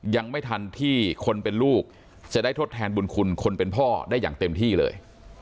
ยังไม่ทันที่คนเป็นลูกจะได้ทดแทนบุญคุณคนเป็นพ่อได้อย่างเต็มที่เลย